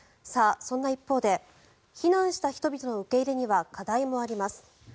そんな一方で避難した人々の受け入れには課題もあります。